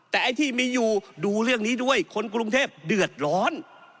แต่ไอ้ที่มีอยู่ดูเรื่องนี้ด้วยคนกรุงเทพเดือดร้อน